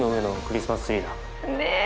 ねえ。